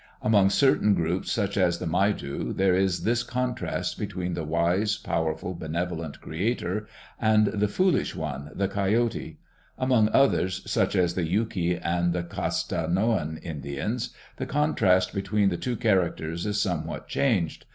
Among certain groups, such as the Maidu, there is this contrast between the wise, powerful, benevolent creator and the foolish one, the Coyote; among others, such as the Yuki and the Costanoan Indians, the contrast between the two characters is somewhat changed.